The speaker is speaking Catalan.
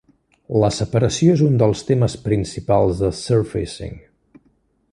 La separació és un dels temes principals de 'Surfacing'.